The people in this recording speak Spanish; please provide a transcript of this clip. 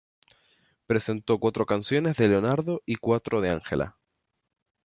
Presentó cuatro canciones de Leonardo y cuatro de Ángela.